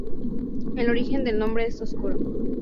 El origen del nombre es oscuro.